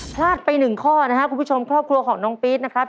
พลาดไป๑ข้อนะคะคุณผู้ชมครอบครัวของน้องบริสต์นะครับ